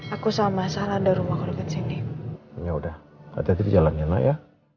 aku sama salah ada rumahnya udah hati hati di jalannya ya